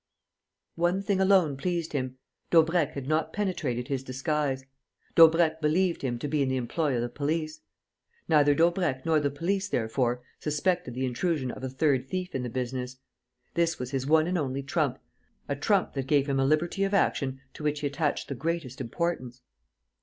One thing alone pleased him: Daubrecq had not penetrated his disguise. Daubrecq believed him to be in the employ of the police. Neither Daubrecq nor the police, therefore, suspected the intrusion of a third thief in the business. This was his one and only trump, a trump that gave him a liberty of action to which he attached the greatest importance.